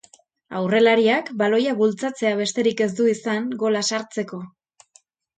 Aurrelariak baloia bultzatzea besterik ez du izan, gola sartzeko.